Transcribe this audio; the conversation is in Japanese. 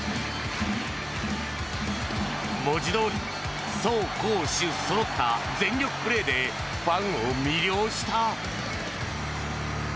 文字どおり走攻守そろった全力プレーでファンを魅了した。